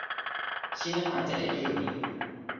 sina ante e ijo ni.